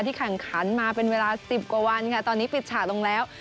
แข่งขันมาเป็นเวลา๑๐กว่าวันค่ะตอนนี้ปิดฉากลงแล้ว